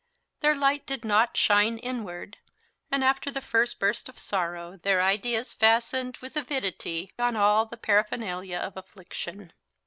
Their light did not "shine inward;" and after the first burst of sorrow their ideas fastened with avidity on all the paraphernalia of affliction.